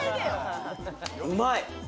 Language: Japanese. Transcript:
うまい！